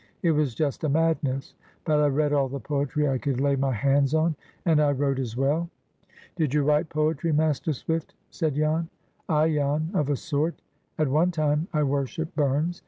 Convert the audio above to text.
It was just a madness. But I read all the poetry I could lay my hands on, and I wrote as well." "Did you write poetry, Master Swift?" said Jan. "Ay, Jan, of a sort. At one time I worshipped Burns.